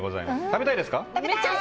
食べたいですか？